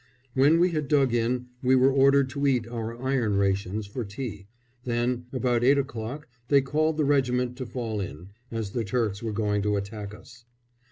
When we had dug in we were ordered to eat our iron rations for tea; then, about eight o'clock, they called the regiment to fall in, as the Turks were going to attack us.